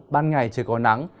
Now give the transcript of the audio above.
ban ngày trời có nắng